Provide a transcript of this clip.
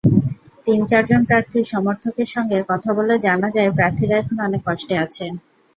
তিন-চারজন প্রার্থীর সমর্থকের সঙ্গে কথা বলে জানা যায়, প্রার্থীরা এখন অনেক কষ্টে আছেন।